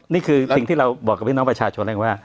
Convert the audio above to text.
นี่คือสิ่งที่เราบอกกับพี่น้องประชาชนเองว่า